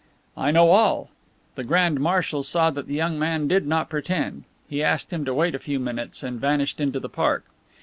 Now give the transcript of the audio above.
"I know all." The Grand Marshal saw that the young man did not pretend. He asked him to wait a few minutes, and vanished into the park.